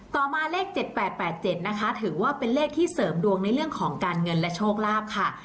ต่อมาเลข๗๘๘๗นะคะถือว่าเป็นเลขที่เสริมดวงในเรื่องของการเงินและโชคลาภค่ะ